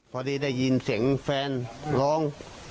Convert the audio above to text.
พอดีได้ยินเสียงแฟนร้อง